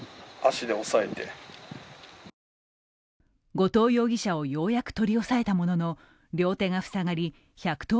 後藤容疑者をようやく取り押さえたものの両手が塞がり１１０